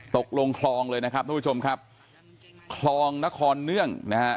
ตกลงคลองเลยนะครับทุกผู้ชมครับคลองนครเนื่องนะฮะ